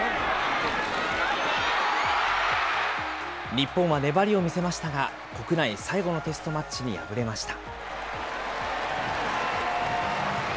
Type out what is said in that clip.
日本は粘りを見せましたが、国内最後のテストマッチに敗れました。